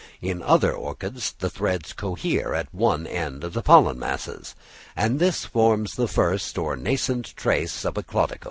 In other orchids the threads cohere at one end of the pollen masses; and this forms the first or nascent trace of a caudicle.